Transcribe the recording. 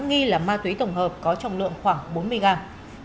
nghi là ma túy tổng hợp có trọng lượng khoảng bốn mươi gram